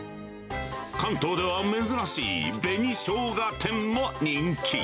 関東では珍しい紅生姜天も人気。